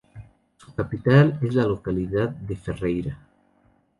Su capital es la localidad de Ferreira.